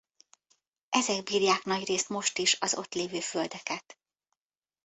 Ezek birják nagyrészt most is az ott lévő földeket.